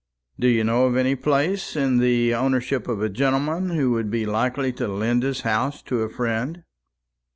"Do you know of any place in the ownership of a gentleman who would be likely to lend his house to a friend?"